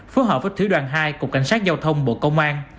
phối hợp với thứ đoàn hai cục cảnh sát giao thông bộ công an